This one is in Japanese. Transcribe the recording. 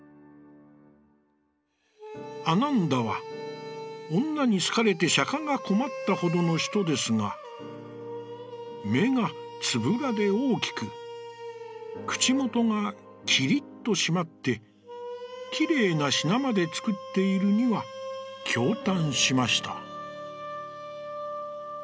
「阿難陀は、女に好かれて釈が困ったほどの人ですが、目がツブラで大きく口元がキリッと締まって、キレイなシナまでつくっているには驚嘆しました」。